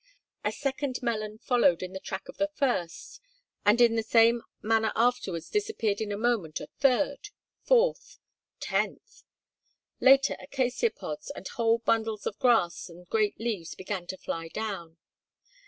The second melon followed in the track of the first and in the same manner afterwards disappeared in a moment a third, fourth, tenth; later acacia pods and whole bundles of grass and great leaves began to fly down.